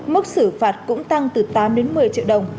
mức xử phạt cũng tăng từ tám đến một mươi triệu đồng